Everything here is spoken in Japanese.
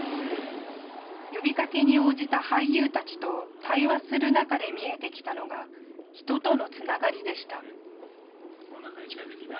呼びかけに応じた俳優たちと対話する中で見えてきたのが人とのつながりでした。